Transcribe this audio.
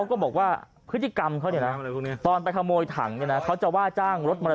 ยายขิงสำรวจครับปร